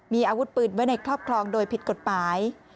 มีอาวุธปืนไว้ในครอบครองโดยผิดกฎหมาย